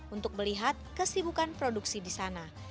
untuk melihat kesibukan produksi di sana